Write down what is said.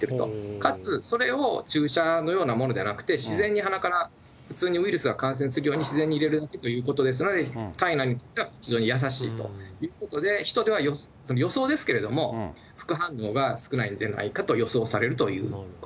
かつ、それを注射のようなものじゃなくて、自然に鼻から、普通にウイルスが感染するように自然に入れるということですので、体内にとっては非常に優しいと、人では、予想ですけれども、副反応が少ないんではないかと予想されるということです。